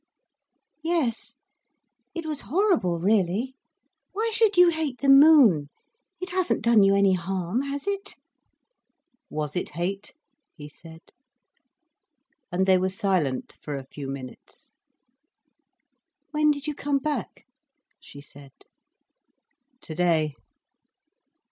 "Yes, it was horrible, really. Why should you hate the moon? It hasn't done you any harm, has it?" "Was it hate?" he said. And they were silent for a few minutes. "When did you come back?" she said. "Today."